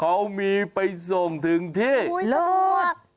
เขามีไปส่งถึงที่โลกอุ๊ยกระโปรก